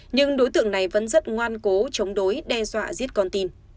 nhưng đối tượng này vẫn rất ngoan cố chống đối đe dọa giết con tin